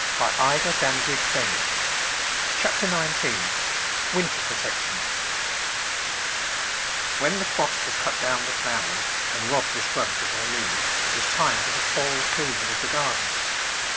Digitized by Google Chapter NINETEEN Winttt protection WHEN the frost has cut down the flowers, and robbed the shrubs of their leaves it is time for the fall cleaning of the garden.